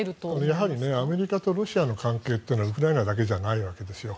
やはりアメリカとロシアの関係というのはウクライナだけじゃないわけですよ。